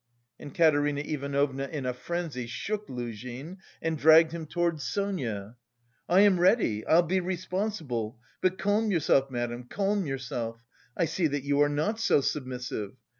And Katerina Ivanovna in a frenzy shook Luzhin and dragged him towards Sonia. "I am ready, I'll be responsible... but calm yourself, madam, calm yourself. I see that you are not so submissive!...